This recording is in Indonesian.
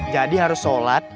jadi harus sholat